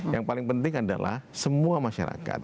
yang paling penting adalah semua masyarakat